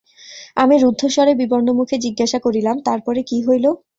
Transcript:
আমি রুদ্ধস্বরে বিবর্ণমুখে জিজ্ঞাসা করিলাম, তার পরে কী হইল।